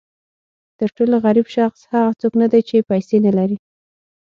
تر ټولو غریب شخص هغه څوک نه دی چې پیسې نه لري.